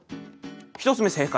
１つ目正解。